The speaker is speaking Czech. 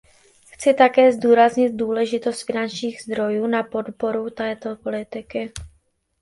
Chci také zdůraznit důležitost finančních zdrojů na podporu této politiky.